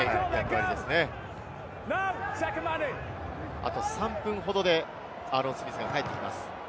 あと３分ほどでアーロン・スミスが帰ってきます。